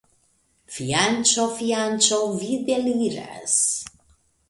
Fianĉo, fianĉo, vi deliras!